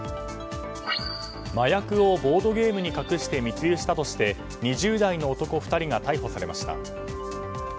麻薬をボードゲームに隠して密輸したとして２０代の男２人が逮捕されました。